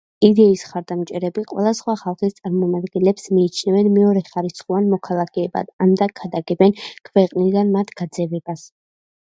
იდეის მხარდამჭერები ყველა სხვა ხალხის წარმომადგენლებს მიიჩნევენ მეორეხარისხოვან მოქალაქეებად ანდა ქადაგებენ ქვეყნიდან მათ გაძევებას.